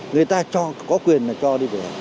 người ta có quyền là cho đi